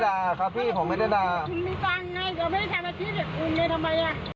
คุณมีตังค์ไงเราไม่ได้ทำอาชีพอย่างคุณเลยทำไมล่ะ